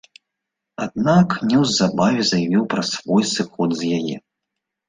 Аднак, неўзабаве заявіў пра свой сыход з яе.